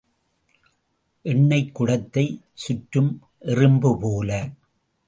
எண்ணெய்க் குடத்தைச் சுற்றும் எறும்பு போல.